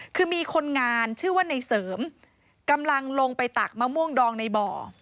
คือมีคนงานชื่อว่าในเสริมกำลังลงไปตักมะม่วงดองในบ่อ